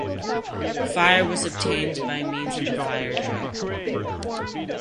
Fire was obtained by means of the fire-drill.